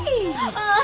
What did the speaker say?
ああ！